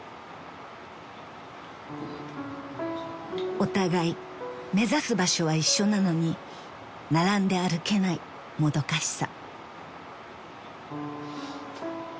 ［お互い目指す場所は一緒なのに並んで歩けないもどかしさ］